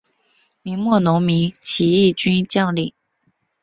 明末农民起义军将领。